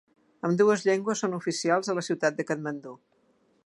Ambdues llengües són oficials a la ciutat de Katmandú.